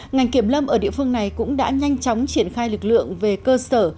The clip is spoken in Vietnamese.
ngành kiểm lâm ở địa phương này cũng đã nhanh chóng triển khai lực lượng về cơ sở